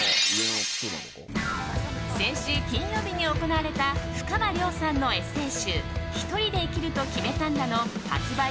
先週金曜日に行われたふかわりょうさんのエッセー集「ひとりで生きると決めたんだ」の発売